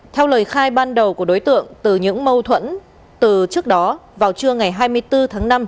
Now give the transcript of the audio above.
theo lời khai ban đầu của đối tượng từ những mâu thuẫn từ trước đó vào trưa ngày hai mươi bốn tháng năm